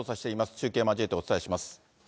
中継交えてお伝えします。